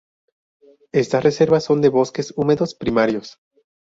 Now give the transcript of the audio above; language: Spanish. Estas reservas son de bosques húmedos primarios.